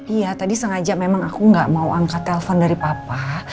iya tadi sengaja memang aku gak mau angkat telpon dari papa